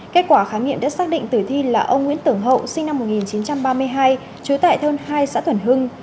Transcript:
kết quả khám nghiệm đã xác định tử thi là ông nguyễn tưởng hậu sinh năm một nghìn chín trăm ba mươi hai trú tại thôn hai xã thuần hưng